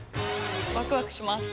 ワクワクします。